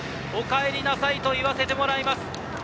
お帰りなさいと言わせてもらいます。